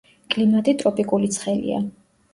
კლიმატი ტროპიკული ცხელია.